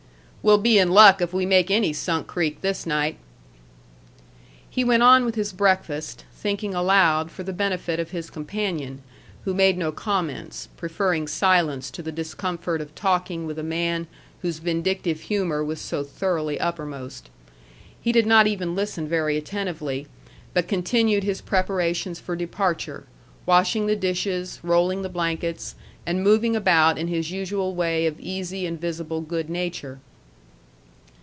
"We'll be in luck if we make any Sunk Creek this night." He went on with his breakfast, thinking aloud for the benefit of his companion, who made no comments, preferring silence to the discomfort of talking with a man whose vindictive humor was so thoroughly uppermost. He did not even listen very attentively, but continued his preparations for departure, washing the dishes, rolling the blankets, and moving about in his usual way of easy and visible good nature.